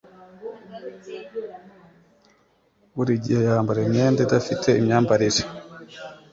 Buri gihe yambara imyenda idafite imyambarire.